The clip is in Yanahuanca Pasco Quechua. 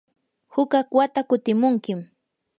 hukaq wata kutimunkim.